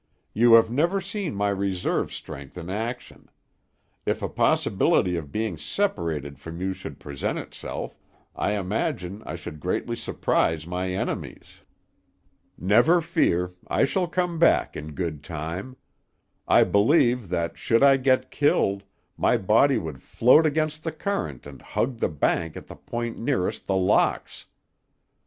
You have never seen my reserve strength in action; if a possibility of being separated from you should present itself, I imagine I should greatly surprise my enemies. Never fear; I shall come back in good time. I believe that should I get killed, my body would float against the current and hug the bank at the point nearest The Locks."